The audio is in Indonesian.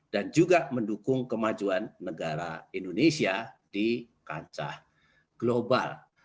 dan juga mendukung kemajuan negara indonesia di kancah global